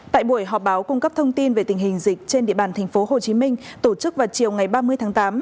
tại buổi họp báo cung cấp thông tin về tình hình dịch trên địa bàn tp hcm tổ chức vào chiều ngày ba mươi tháng tám